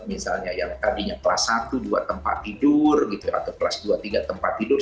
misalnya yang tadinya kelas satu dua tempat tidur atau kelas dua tiga tempat tidur